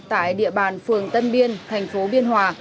tại địa bàn phường tân biên thành phố biên hòa